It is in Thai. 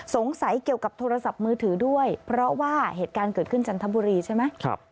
เกี่ยวกับโทรศัพท์มือถือด้วยเพราะว่าเหตุการณ์เกิดขึ้นจันทบุรีใช่ไหม